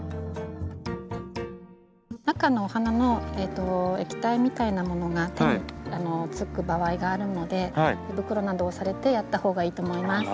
中のお花の液体みたいなものが手につく場合があるので手袋などをされてやったほうがいいと思います。